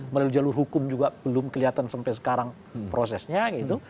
melalui jalur hukum juga belum kelihatan sampai sekarang prosesnya gitu